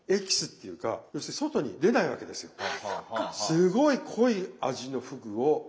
すごい濃い味のふぐを頂ける。